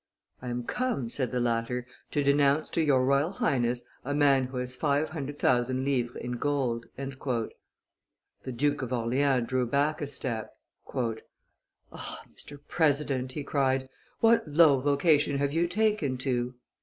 "I am come," said the latter, "to denounce to your Royal Highness a man who has five hundred thousand livres in gold." The Duke of Orleans drew back a step. "Ah, Mr. President," he cried, "what low vocation have you taken to?"